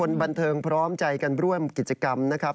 คนบันเทิงพร้อมใจกันร่วมกิจกรรมนะครับ